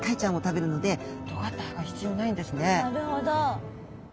なるほど。